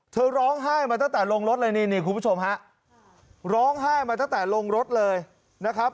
ร้องไห้มาตั้งแต่ลงรถเลยนี่นี่คุณผู้ชมฮะร้องไห้มาตั้งแต่ลงรถเลยนะครับ